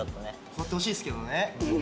座ってほしいですけどね。